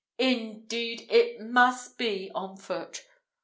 indeed! it must be on foot.